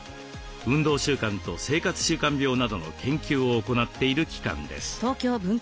運動習慣と生活習慣病などの研究を行っている機関です。